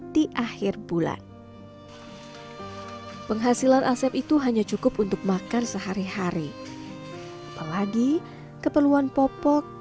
di akhir bulan penghasilan asep itu hanya cukup untuk makan sehari hari apalagi keperluan popok